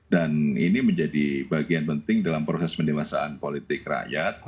dan ini menjadi bagian penting dalam proses pendebasan politik rakyat